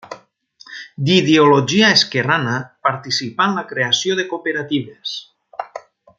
D'ideologia esquerrana, participà en la creació de cooperatives.